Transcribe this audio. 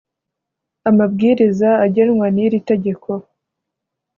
amabwiriza agenwa n’iri tegeko